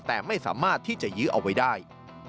แต่ไม่สามารถที่จะยื้อเอาไว้ได้